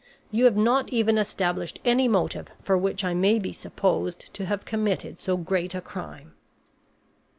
You have not even established any motive for which I may be supposed to have committed so great a crime."